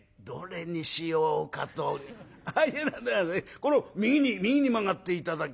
これを右に右に曲がって頂き。